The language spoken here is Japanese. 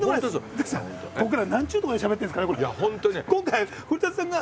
古さん僕らなんちゅうとこでしゃべってるんですかねこれ。